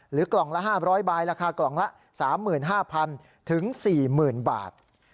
หรือกล่องละ๕๐๐บาทราคากล่องละ๓๕๐๐๐๔๐๐๐๐บาท